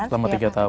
lama tiga tahun